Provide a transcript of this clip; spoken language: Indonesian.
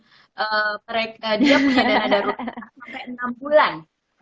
dia punya dana darur sampai enam bulan